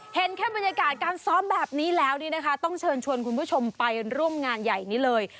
เห็นแค่บรรยากาศการซ้อมแบบนี้แล้วนี่นะคะต้องเชิญชวนคุณผู้ชมไปร่วมงานใหญ่นี้เลย